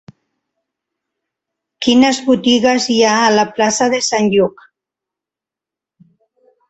Quines botigues hi ha a la plaça de Sant Lluc?